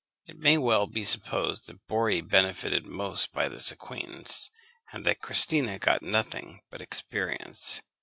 It may well be supposed that Borri benefited most by this acquaintance, and that Christina got nothing but experience.